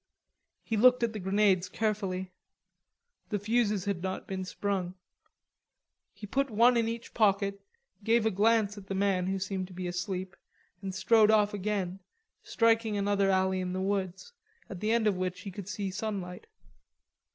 He looked at the grenades carefully. The fuses had not been sprung. He put one in each pocket, gave a glance at the man who seemed to be asleep, and strode off again, striking another alley in the woods, at the end of which he could see sunlight.